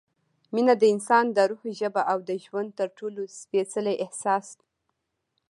مینه – د انسان د روح ژبه او د ژوند تر ټولو سپېڅلی احساس